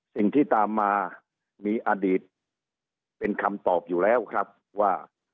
สิ่งที่ตามมามีอดีตเป็นคำตอบอยู่แล้วครับว่า